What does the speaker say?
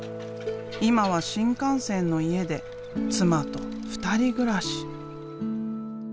今は新幹線の家で妻と２人暮らし。